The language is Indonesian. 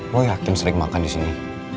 lo yakin sering makan disini